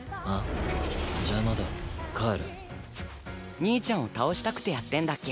兄ちゃんを倒したくてやってんだっけ？